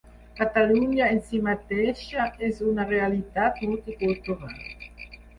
Catalunya en si mateixa és una realitat multicultural.